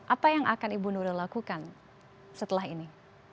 apa yang akan ibu nuril lakukan setelah ini